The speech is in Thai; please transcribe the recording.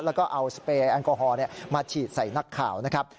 แล้วก็เอาสเปรย์แอลกอฮอล์มาฉีดใส่นักข่าวนะครับ